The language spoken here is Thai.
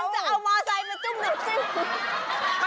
มันจะเอามอเตอร์ไซด์มาจุ้มน้ำจิ้ม